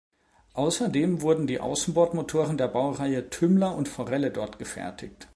Außerdem wurden die Außenbordmotoren der Baureihe „Tümmler“ und „Forelle“ dort gefertigt.